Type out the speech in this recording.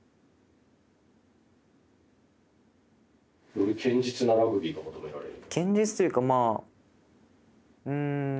より堅実なラグビーが求められる？